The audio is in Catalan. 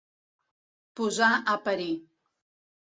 Posar a parir.